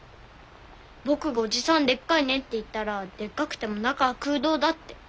僕がおじさんでっかいねって言ったら「でっかくても中はクウドウだ」って。